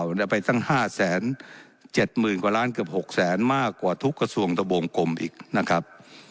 ได้ไปตั้ง๕๗๐๐๐กว่าล้านเกือบ๖แสนมากกว่าทุกกระทรวงตะวงกลมอีกนะครับ